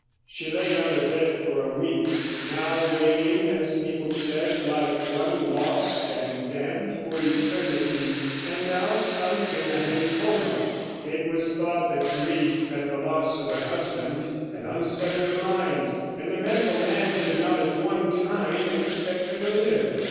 She lay on her bed for a week, now wailing, as people said, like one lost and damned for eternity, and now sunk in a heavy coma; it was thought that grief at the loss of her husband had unsettled her mind, and the medical man did not at one time expect her to live.